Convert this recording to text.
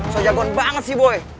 so jagon banget sih boy